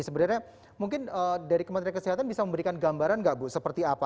sebenarnya mungkin dari kementerian kesehatan bisa memberikan gambaran nggak bu seperti apa